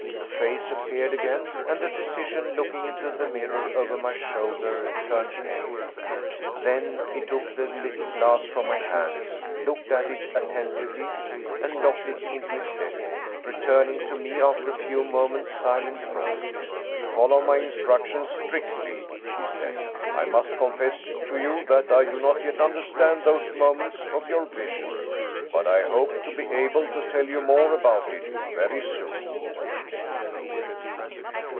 The face appeared again, and the physician, looking into the mirror over my shoulder, turned pale. Then he took the little glass from my hands, looked at it attentively, and locked it into his desk, returning to me after a few moments' silent thought. " Follow my instructions strictly," he said. " I must con fess to you that I do not yet understand those moments of your vision. But I hope to be able to tell you more about it very soon."